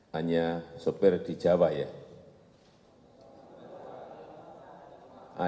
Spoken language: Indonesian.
hanya sopir di jawa ya